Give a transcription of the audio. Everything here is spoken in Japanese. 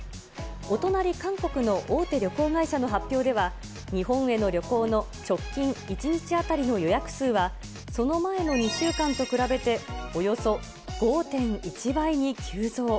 お隣、韓国の大手旅行会社の発表では、日本への旅行の直近１日当たりの予約数は、その前の２週間と比べておよそ５．１倍に急増。